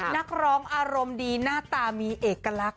นักร้องอารมณ์ดีหน้าตามีเอกลักษณ์